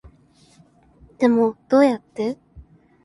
でもどうやって